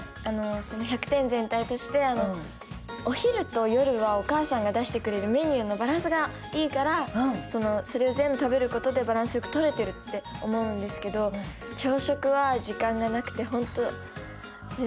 その１００点全体としてお昼と夜はお母さんが出してくれるメニューのバランスがいいからそれを全部食べることでバランスよくとれてるって思うんですけど朝食は時間がなくて本当全然食べられない時とかもあるので。